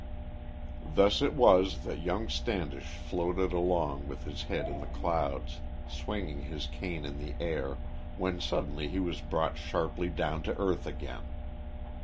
Thus it was that young Standish floated along with his head in the clouds, swinging his cane in the air, when suddenly he was brought sharply down to earth again.